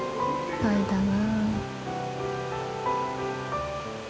愛だな。